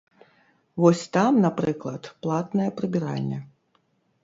Вось там, напрыклад, платная прыбіральня.